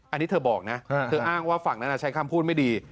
อันนี้เธอบอกนะเธออ้างว่าฝั่งนั้นใช้คำพูดไม่ดี